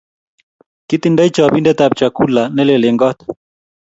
kitindoi chopindet ab chakula neleel eng kot